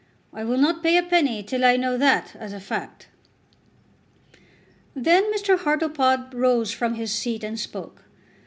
I will not pay a penny till I know that as a fact." Then Mr. Hartlepod rose from his seat and spoke.